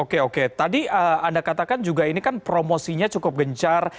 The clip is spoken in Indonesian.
oke oke tadi anda katakan juga ini kan promosinya cukup gencar